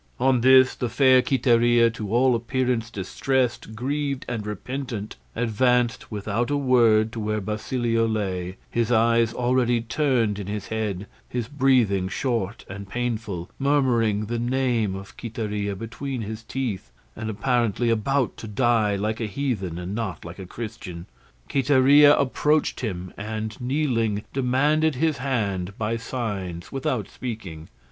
On this the fair Quiteria, to all appearance distressed, grieved, and repentant, advanced without a word to where Basilio lay, his eyes already turned in his head, his breathing short and painful, murmuring the name of Quiteria between his teeth, and apparently about to die like a heathen and not like a Christian. Quiteria approached him, and kneeling, demanded his hand by signs without speaking.